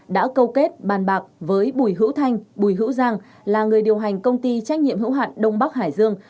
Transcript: đã câu kết bàn bạc với bùi hữu thanh bùi hữu giang là người điều hành công ty trách nhiệm hữu hạn đông bắc hải dương